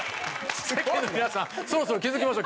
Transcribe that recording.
「世間の皆さんそろそろ気づきましょうか」